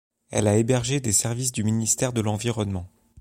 Elle a hébergé des services du ministère de l'Environnement.